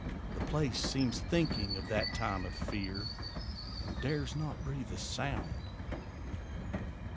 The place seems thinking of that time of fear And dares not breathe a sound.